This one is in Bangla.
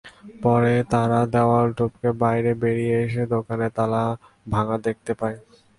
পরে তারা দেয়াল টপকে বাইরে বেরিয়ে এসে দোকানের তালা ভাঙা দেখতে পায়।